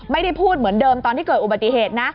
ไม่ได้พูดเหมือนเดิมตอนที่เกิดอุบัติเหตุนะ